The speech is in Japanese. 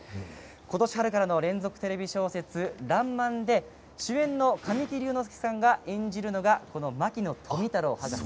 今年、春からの連続テレビ小説「らんまん」で主演の神木隆之介さんが演じるのが、この牧野富太郎です。